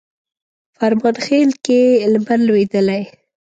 فرمانخیل کښي لمر لوېدلی